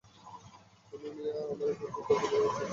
তুই মিয়া আমারে যুগ-যুগ ধরে অপেক্ষা করাচ্ছিস!